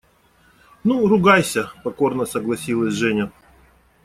– Ну, ругайся, – покорно согласилась Женя.